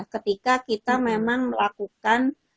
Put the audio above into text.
ketika kita memang melakukan